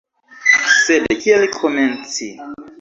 Sed kiel komenci?